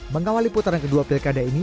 mengawali putaran kedua pilkada ini